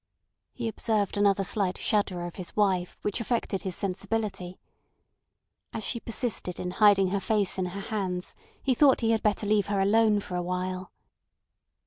He observed another slight shudder of his wife, which affected his sensibility. As she persisted in hiding her face in her hands, he thought he had better leave her alone for a while.